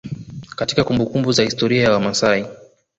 Katika kumbumbuku za historia ya wamasai